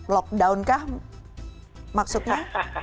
lockdown kah maksudnya